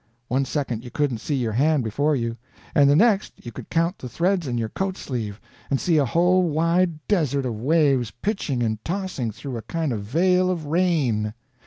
One second you couldn't see your hand before you, and the next you could count the threads in your coat sleeve, and see a whole wide desert of waves pitching and tossing through a kind of veil of rain.